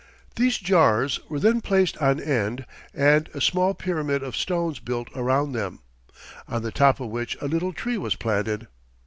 These jars were then placed on end and a small pyramid of stones built around them, on the top of which a little tree was planted.